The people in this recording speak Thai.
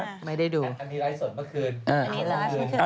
อันนี้ไลฟ์สดเมื่อคืน